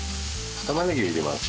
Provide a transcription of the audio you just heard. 玉ねぎを入れます。